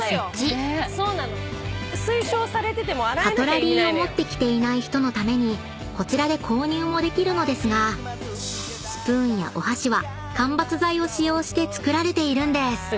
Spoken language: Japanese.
［カトラリーを持ってきていない人のためにこちらで購入もできるのですがスプーンやお箸は間伐材を使用して作られているんです］